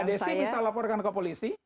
desi bisa laporkan ke polisi